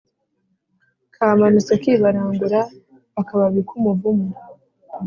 kamanutse kibarangura-akababi k'umuvumu.